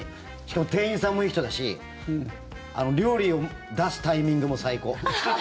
しかも店員さんもいい人だし料理を出すタイミングも最高。